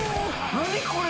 何これ！？